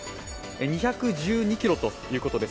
２１２ｋｇということです。